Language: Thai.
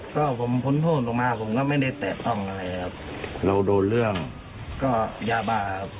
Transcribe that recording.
ก็ผมผลโทษลงมาผมก็ไม่ได้แตกต้องอะไรครับเราโดนเรื่องก็ยาบาป